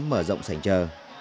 mở rộng sành trờ